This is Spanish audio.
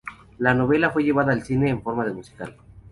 La novela fue llevada al cine en forma de musical.